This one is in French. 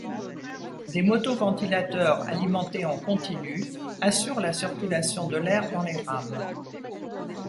Des moto-ventilateurs alimentés en continu assurent la circulation de l'air dans les rames.